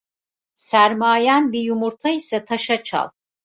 Sermayen bir yumurta ise taşa çal.